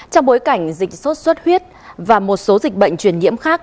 trong bối cảnh dịch sốt xuất huyết và một số dịch bệnh truyền nhiễm khác